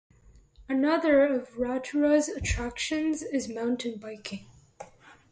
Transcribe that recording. Another of Rotorua's attractions is mountain biking.